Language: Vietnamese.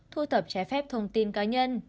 thu thập trái phép thông tin cá nhân